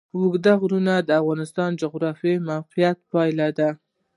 اوږده غرونه د افغانستان د جغرافیایي موقیعت پایله ده.